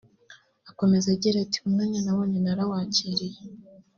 Akomeza agira ati “ Umwanya nabonye narawakiriye